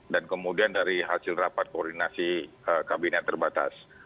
dan kemudian dari hasil rapat koordinasi kabinet terbatas